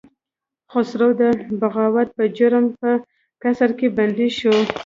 خسرو د بغاوت په جرم په قصر کې بندي شو.